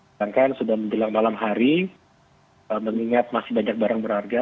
sedangkan sudah menjelang malam hari mengingat masih banyak barang berharga